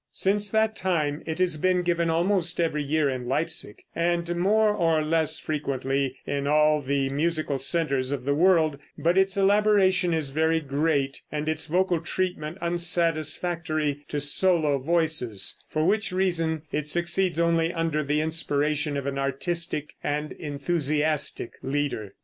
Since that time it has been given almost every year in Leipsic, and more or less frequently in all the musical centers of the world, but its elaboration is very great and its vocal treatment unsatisfactory to solo voices, for which reason it succeeds only under the inspiration of an artistic and enthusiastic leader.